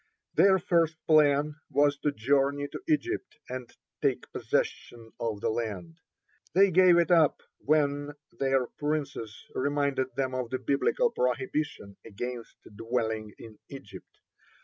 Their first plan was to journey to Egypt and take possession of the land. They gave it up when their princes reminded them of the Biblical prohibition (11) against dwelling in Egypt.